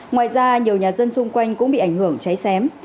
ngoài ra nhiều nhà dân xung quanh cũng bị ảnh hưởng cháy xém